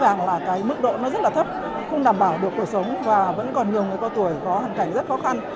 nhưng mà rõ ràng là cái mức độ nó rất là thấp không đảm bảo được cuộc sống và vẫn còn nhiều người cao tuổi có hành cảnh rất khó khăn